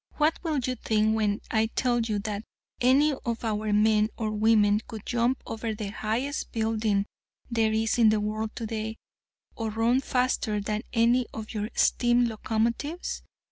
What will you think, when I tell you that any of our men or women could jump over the highest building there is in the world today, or run faster than any of your steam locomotives?